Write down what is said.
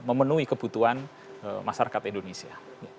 memenuhi kebutuhan masyarakat indonesia